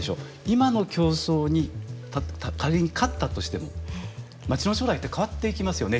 今の競争に仮に勝ったとしてもまちの将来って変わっていきますよね